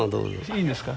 いいんですか？